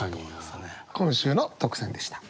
今週の特選でした。